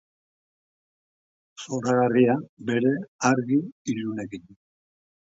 Zoragarria bere argi ilunekin.